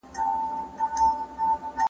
د نرخونو کنټرول د انصاف تقاضا ده.